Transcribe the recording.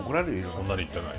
そんなにいってない。